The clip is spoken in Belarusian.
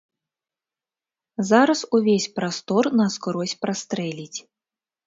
Зараз увесь прастор наскрозь прастрэліць.